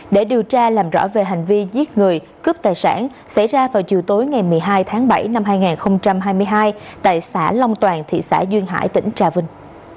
để điều tra làm rõ về hành vi giết người cướp tài sản xảy ra vào chiều tối ngày một mươi hai tháng bảy năm hai nghìn hai mươi hai tại xã long toàn thị xã duyên hải tỉnh trà vinh